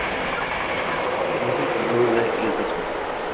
Pertenece al condado de Ledesma.